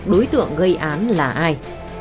đối tượng gây án là ai